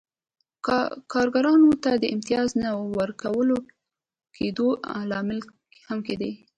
کارګرانو ته د امتیاز د نه ورکول کېدو لامل هم کېده.